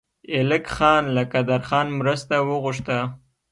ایلک خان له قدرخان مرسته وغوښته.